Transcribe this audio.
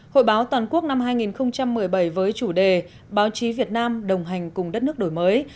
hội báo toàn quốc năm hai nghìn một mươi bảy với chủ đề báo chí việt nam đồng hành cùng đất nước đổi mới